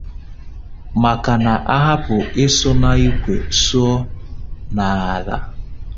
maka na a hapụ ịsụ n'ikwe sụọ n'ala